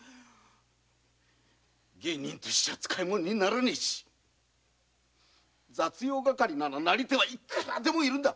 芸人としちゃ使いものにならねぇし雑用係ならなりては幾らでもいるんだ！